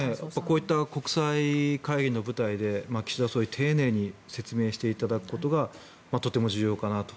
こういった国際会議の舞台で岸田総理丁寧に説明していただくことがとっても重要かなと。